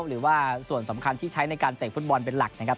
หรือว่าส่วนสำคัญที่ใช้ในการเตะฟุตบอลเป็นหลักนะครับ